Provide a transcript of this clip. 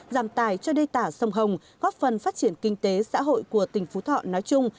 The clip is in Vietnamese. giảm tài cho đê tả sông hồng góp phần phát triển kinh tế xã hội của tỉnh phú thọ nói chung